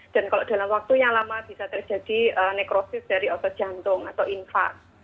dan kalau dalam waktu yang lama bisa terjadi nekrosis dari otot jantung atau infak